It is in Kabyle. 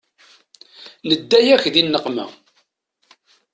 Nedda-yak di nneqma.